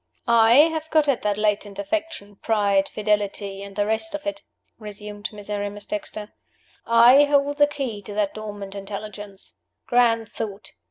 "I have got at that latent affection, pride, fidelity, and the rest of it," resumed Miserrimus Dexter. "I hold the key to that dormant Intelligence. Grand thought!